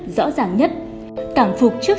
rõ ràng nhất cảm phục trước